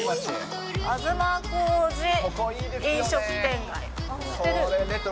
東小路飲食店街。